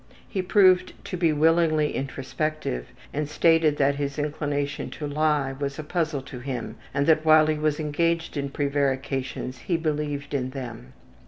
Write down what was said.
He proved to be willingly introspective and stated that his inclination to lie was a puzzle to him, and that while he was engaged in prevarications he believed in them.